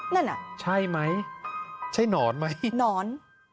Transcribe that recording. นั่นหรือเปล่าใช่ไหมใช่หนอนไหมหนอน